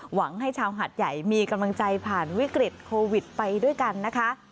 หวังให้ชาวหาดใหญ่มีกำลังใจผ่านวิกฤตโควิดไปด้วยกันนะคะ